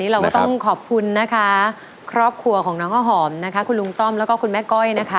เราก็ต้องขอบคุณนะคะครอบครัวของน้องข้าวหอมนะคะคุณลุงต้อมแล้วก็คุณแม่ก้อยนะคะ